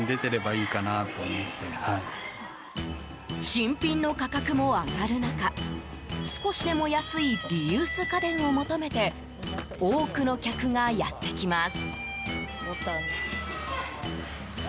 新品の価格も上がる中少しでも安いリユース家電を求めて多くの客がやってきます。